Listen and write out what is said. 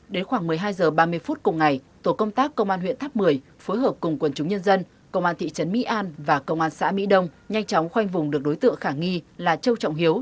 đến khoảng một mươi hai h ba mươi phút cùng ngày tổ công tác công an huyện tháp một mươi phối hợp cùng quần chúng nhân dân công an thị trấn mỹ an và công an xã mỹ đông nhanh chóng khoanh vùng được đối tượng khả nghi là châu trọng hiếu